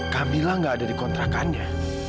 camilla gak ada di kontrakannya